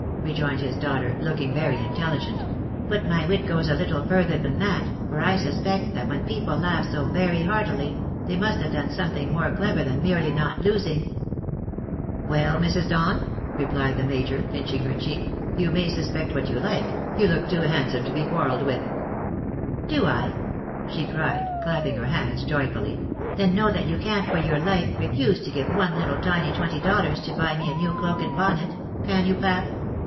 " rejoined his daughter, looking very intelligent ;" but my wit goes a little further than that, for 1 suspect that when people laugh so very heartily, thej must have done something more clever than merely not losing." " Well, Mrs. Don," replied the major, pinching her cheek, " you £■88 TH1>. EAnJIAjSYS A?,rERICA. may suspect Avliat you like, you look too handsome to be quarrelled with." " Do I ?" she cried, clapping her hands joyfully ;" then know tha,t you can't, for your life, refuse to give one little tiny twenty dollars to buy me a new cloak and bonnet. Can you, pap?